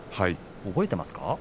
覚えていますか。